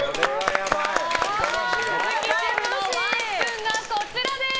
鈴木シェフのワンスプーンがこちらです。